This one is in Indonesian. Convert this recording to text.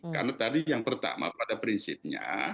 karena tadi yang pertama pada prinsipnya